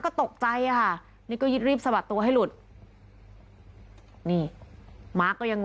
ก็ตกใจค่ะนี่ก็ยึดรีบสะบัดตัวให้หลุดนี่มาร์คก็ยัง